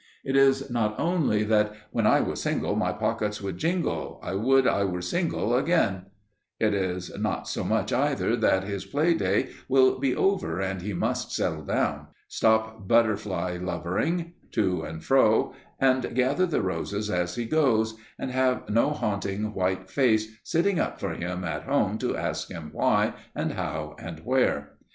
It is not only that "when I was single my pockets would jingle, I would I were single again"; it is not so much, either, that his play day will be over and he must "settle down," stop butterfly lovering to and fro, and gathering the roses as he goes, and have no haunting white face sitting up for him at home to ask him why, and how, and where.